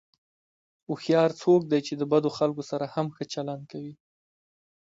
هوښیار څوک دی چې د بدو خلکو سره هم ښه چلند کوي.